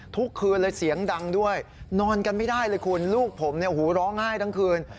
ทุกคืนเลยเสียงดังด้วยนอนกันไม่ได้เลยคุณลูกผมเนี่ยหูร้องไห้ทั้งคืน